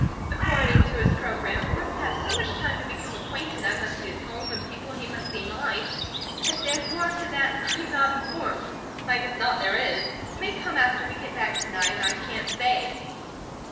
According to his programme we must have so much time to become acquainted, I must see his home and people, he must see mine. If there's more after that, I'm not informed. Like as not there is. It may come after we get back to night, I can't say."